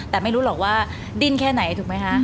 แต่ไม่รู้หรอกว่าดิ้นแค่ไหนถูกไหมคะ